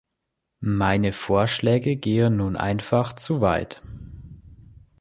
Meine Vorschläge gehen nun einfach zu weit.